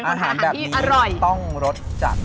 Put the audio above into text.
อาหารแบบนี้ต้องรสจัด